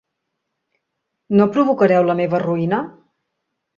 No provocareu la meva ruïna?